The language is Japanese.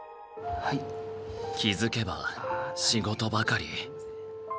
気付けば仕事ばかり。